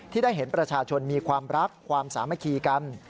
ได้เห็นประชาชนมีความรักความสามัคคีกัน